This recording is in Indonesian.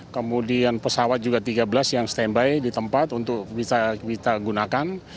kemudian pesawat juga tiga belas yang standby di tempat untuk bisa kita gunakan